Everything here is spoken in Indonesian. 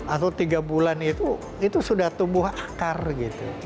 atau tiga bulan itu itu sudah tumbuh akar gitu